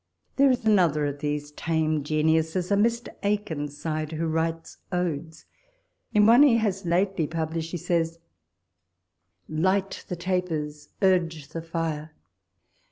There is another of these tame genius's, a Mr. Akenside, who writes Odes: in one he has lately published, he says, " Light the tapers, urge the fire."